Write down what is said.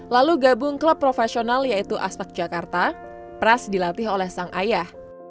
lalu gabung klub profesional yaitu aspak jakarta pras dilatih oleh sang ayah